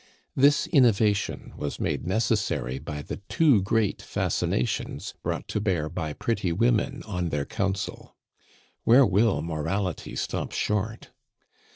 This innovation was made necessary by the too great fascinations brought to bear by pretty women on their counsel. Where will morality stop short?